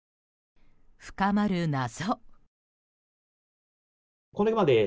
深まる謎。